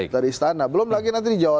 dari istana belum lagi nanti di jawa